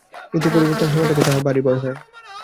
ঋতুপরিবর্তনের সময়টাকে তাহার ভারি ভয়।